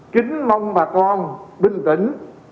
kính mong bà con bình tĩnh